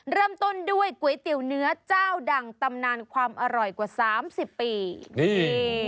เริ่มต้นด้วยก๋วยเตี๋ยวเนื้อเจ้าดังตำนานความอร่อยกว่าสามสิบปีนี่